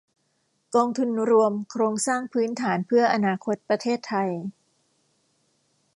กองทุนรวมโครงสร้างพื้นฐานเพื่ออนาคตประเทศไทย